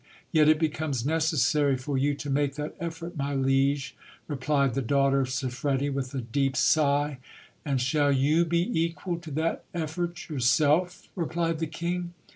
Yet it becomes necessary for you to make that effort, my liege, replied the daughter of Siffredi, with a deep sigh .... And shall you be equal to that effort yourself? replied the king.